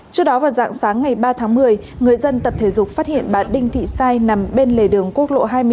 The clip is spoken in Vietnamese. trước đó vào dạng sáng ngày ba tháng một mươi người dân tập thể dục phát hiện bà đinh thị sai nằm bên lề đường quốc lộ hai mươi sáu